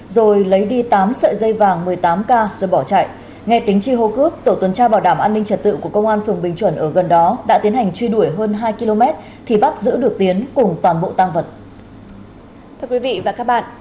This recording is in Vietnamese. rồi lấy đi tám sợi dây vàng một mươi tám k rồi bỏ chạy nghe tính chi hô cướp tổ tuần tra bảo đảm an ninh trật tự của công an phường bình chuẩn ở gần đó đã tiến hành truy đuổi hơn hai km thì bắt giữ được tiến cùng toàn bộ tăng vật